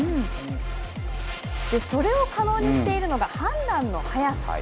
それを可能にしているのが判断の早さ。